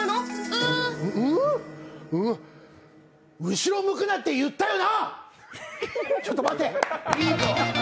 後ろ向くなって言ったよな。